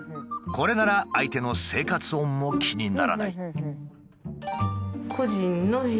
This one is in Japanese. これなら相手の生活音も気にならない。